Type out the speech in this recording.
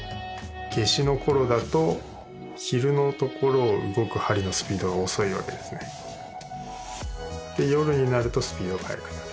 夏至の頃だと昼のところを動く針のスピードが遅いわけですねで夜になるとスピードが速くなる